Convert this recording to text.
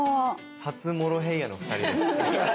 初モロヘイヤの２人です。